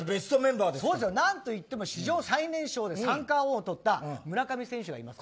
何と言っても史上最年少で三冠王を取った村上選手がいます。